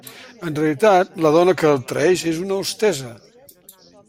En realitat, la dona que el traeix és una hostessa.